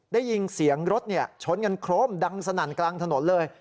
ได้ยินเสียงรถชนกันโครมดังสนั่นกลางถนนเลย